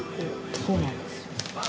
そうなんですよ。